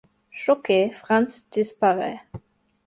Choqué, Franz disparaît.